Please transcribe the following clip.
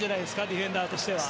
ディフェンダーとしては。